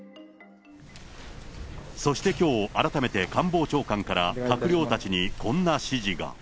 そしてきょう、改めて官房長官から閣僚たちにこんな指示が。